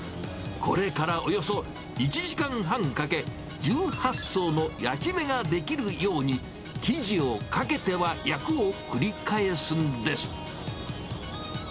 これからおよそ１時間半かけ、１８層の焼き目が出来るように生地をかけては焼くを繰り返すんです。